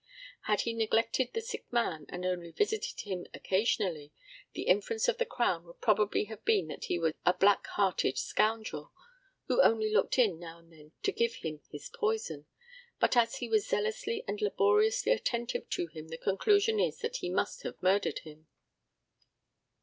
Had he neglected the sick man, and only visited him occasionally, the inference of the Crown would probably have been that he was a black hearted scoundrel, who only looked in now and then to give him his poison; but as he was zealously and laboriously attentive to him the conclusion is that he must have murdered him!